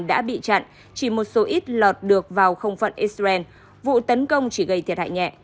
đã bị chặn chỉ một số ít lọt được vào không phận israel vụ tấn công chỉ gây thiệt hại nhẹ